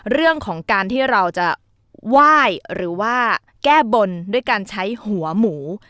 เรื่องของการที่เราจะไหว้หรือว่าแก้บนด้วยการใช้หัวหมู